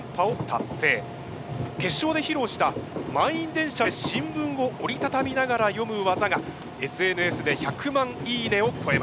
決勝で披露した満員電車で新聞を折り畳みながら読む技がＳＮＳで１００万いいねを超えました。